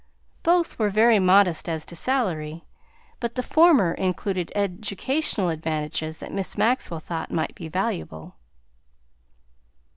Both were very modest as to salary, but the former included educational advantages that Miss Maxwell thought might be valuable.